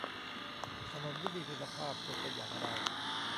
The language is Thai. ถนนที่มีคุณภาพควรเป็นอย่างไร